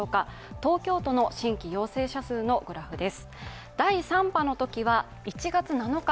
東京都の新規陽性者数のグラフです。